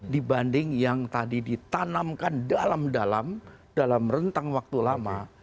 dibanding yang tadi ditanamkan dalam dalam rentang waktu lama